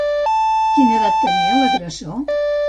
Quina edat tenia l'agressor?